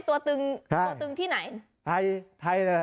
ตัวตึงที่ไหน